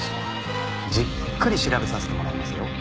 じっくり調べさせてもらいますよ。